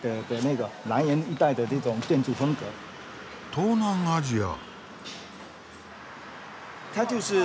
東南アジア！